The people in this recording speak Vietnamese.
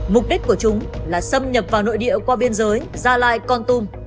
mục đích của chúng là xâm nhập vào nội địa qua biên giới gia lai con tum